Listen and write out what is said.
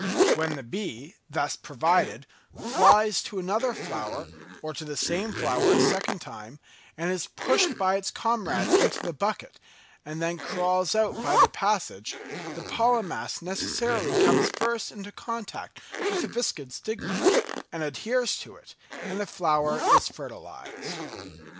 When the bee, thus provided, flies to another flower, or to the same flower a second time, and is pushed by its comrades into the bucket and then crawls out by the passage, the pollen mass necessarily comes first into contact with the viscid stigma, and adheres to it, and the flower is fertilised.